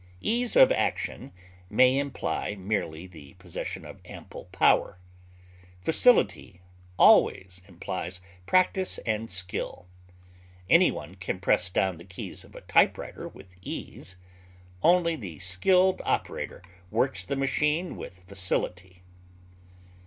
Ease of action may imply merely the possession of ample power; facility always implies practise and skill; any one can press down the keys of a typewriter with ease; only the skilled operator works the machine with facility.